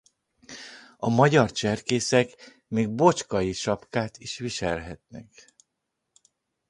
A magyar cserkészek még Bocskai-sapkát is viselhetnek.